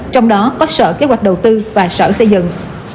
trong đó có sở kế hoạch đầu tư và sở xây dựng